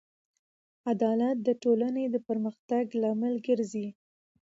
عدالت د ټولنې د پرمختګ لامل ګرځي.